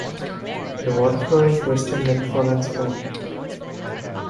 The water flow is best in mid-fall and spring.